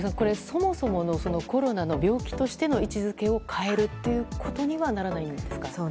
そもそものコロナの病気としての位置づけを変えるということにはならないんですか。